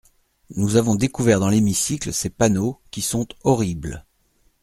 Nous avons découvert dans l’hémicycle ces panneaux, qui sont horribles.